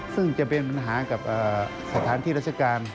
ซึ่งจะเป็นปัญหากับสถานที่ราชการ